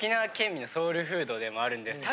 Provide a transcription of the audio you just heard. でもあるんですけど。